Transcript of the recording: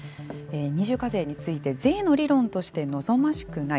二重課税について税の原理として望ましくない。